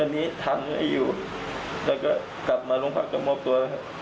อันนี้ทางให้อยู่แล้วก็กลับมาลุงภักดิ์จะมอบตัว